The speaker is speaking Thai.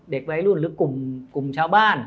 เด็กวัยรุ่นหรือกลุ่มชาวบ้าน